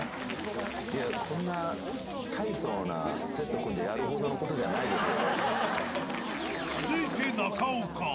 いや、こんな大層なセット組んでやるほどのことじゃないですよ、続いて中岡。